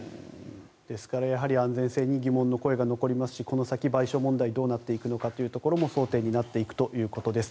ですから、やはり安全性に疑問の声が残りますしこの先賠償問題がどうなっていくかも争点になっていくということです。